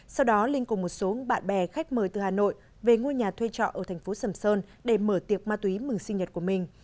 sau đó linh cùng một số bạn bè khách mời từ hà nội về ngôi nhà thuê trọ ở thành phố sầm sơn để mở tiệc ma túy mừng sinh nhật của mình